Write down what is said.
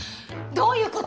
どういう事！？